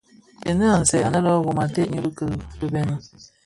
Gèni a nsèè anë le Rum ated ňyi bi kibeni.